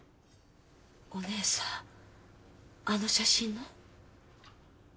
お姉さんあの写真の？